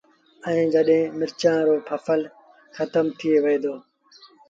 ائيٚݩ جڏهيݩ مرچآݩ رو ڦسل کتم ٿئي وهي دو